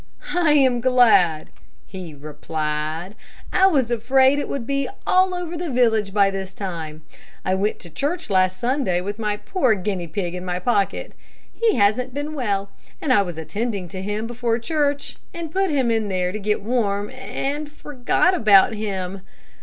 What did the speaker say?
"I am glad," he replied. "I was afraid that it would be all over the village by this time. I went to church last Sunday with my poor guinea pig in my pocket. He hasn't been well, and I was attending to him before church, and put him in there to get warm, and forgot about him.